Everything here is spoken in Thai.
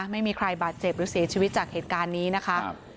ไม่มีใครบาดเจ็บหรือเสียชีวิตจากเหตุการณ์นี้นะคะ